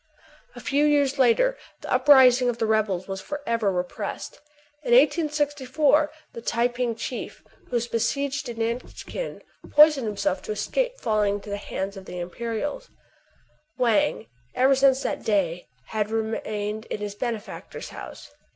A few years later the uprising of the rebels was KIN'FO AND THE PHILOSOPHER. 23 forever repressed. In 1864 the Tai ping chief, who was besieged at Nankin, poisoned himself to escape falling into the hands of the Imperials. Wang, ever since that day, had remained in his benefactor's house.